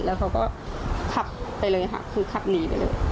แล้วเขาก็ขับไปเลยค่ะคือขับหนีไปเลย